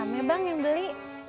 rame bang yang beli